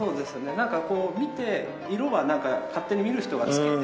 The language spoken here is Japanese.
なんかこう見て色は勝手に見る人が付けて。